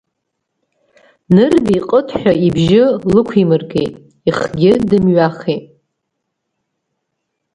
Нырбеи ҟытҳәа ибжьы лықәимыргеит, ихгьы дымҩахеит.